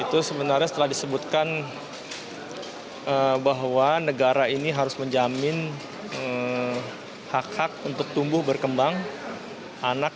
itu sebenarnya setelah disebutkan bahwa negara ini harus menjamin hak hak untuk tumbuh berkembang anak